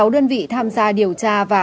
sáu đơn vị tham gia điều tra và